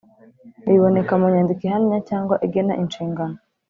Biboneka mu nyandiko ihamya cyangwa igena inshingano